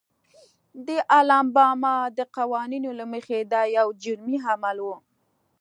د الاباما د قوانینو له مخې دا یو جرمي عمل و.